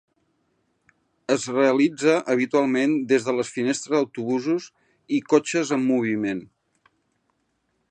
Es realitza habitualment des de les finestres d'autobusos i cotxes en moviment.